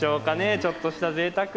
ちょっとしたぜいたく。